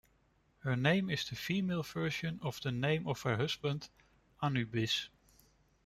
Her name is the female version of the name of her husband, Anubis.